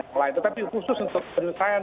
yang lain tetapi khusus untuk penyelesaian